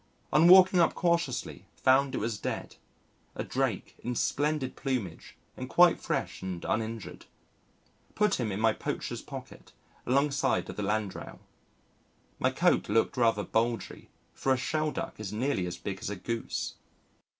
On walking up cautiously, found it was dead a Drake in splendid plumage and quite fresh and uninjured. Put him in my poacher's pocket, alongside of the Landrail. My coat looked rather bulgy, for a Shelduck is nearly as big as a Goose.